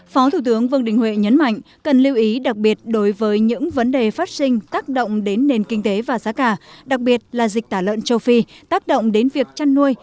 phó thủ tướng vương đình huệ nhấn mạnh cần lưu ý đặc biệt đối với những vấn đề phát sinh tác động đến nền kinh tế và giá cả đặc biệt là dịch tả lợn châu phi tác động đến việc chăn nuôi